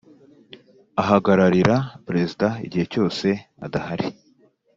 Ahagararira Perezida igihe cyose adahari.